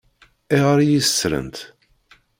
Ayɣer i yi-ṣṣṛent?